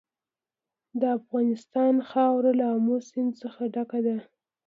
د افغانستان خاوره له آمو سیند څخه ډکه ده.